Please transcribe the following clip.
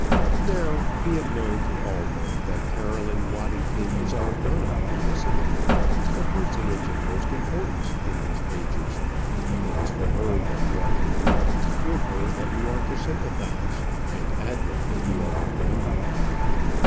Now, be it known to all men that Caroline Waddington is our donna primissima the personage of most importance in these pages. It is for her that you are to weep, with her that you are to sympathize, and at her that you are to wonder.